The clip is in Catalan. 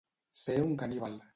Ser un caníbal.